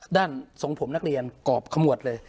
ทรงผมนักเรียนกรอบขมวดเลย